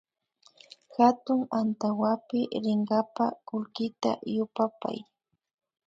Hatun antawapi rinkapa kullkita yupapay